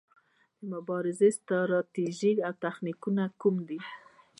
د مبارزې ستراتیژي او تخنیکونه کوم دي؟